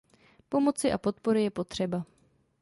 Pomoci a podpory je potřeba.